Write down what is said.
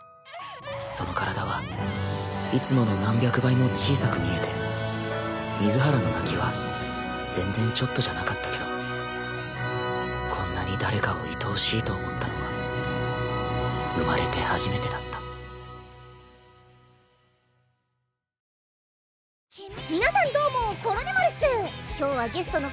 その体はいつもの何百倍も小さく見えて水原の泣きは全然ちょっとじゃなかったけどこんなに誰かを愛おしいと思ったのは生まれて初めてだったブクブクブクぶはっ！